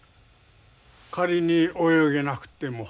仮に泳げなくても。